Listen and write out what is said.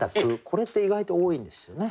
これって意外と多いんですよね。